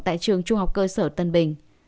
tại trường trung học cơ sở tân bình